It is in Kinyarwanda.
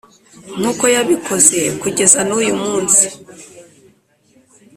nk’uko yabikoze kugeza n’uyu munsi. “